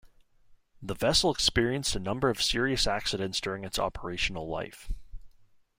The vessel experienced a number of serious accidents during its operational life.